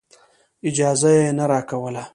اجازه یې نه راکوله.